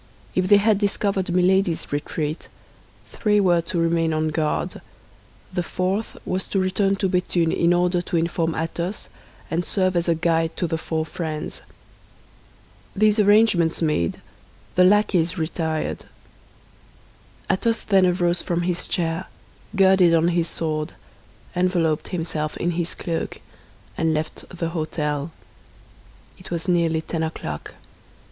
If they had discovered Milady's retreat, three were to remain on guard; the fourth was to return to Béthune in order to inform Athos and serve as a guide to the four friends. These arrangements made, the lackeys retired. Athos then arose from his chair, girded on his sword, enveloped himself in his cloak, and left the hôtel. It was nearly ten o'clock.